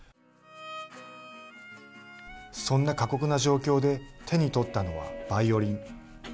そんな過酷な状況で手に取ったのはバイオリン。